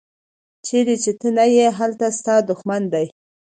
چیرې چې ته نه یې هلته ستا دوښمن دی.